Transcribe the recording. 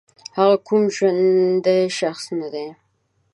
هغه کوم ژوندی شخص نه دی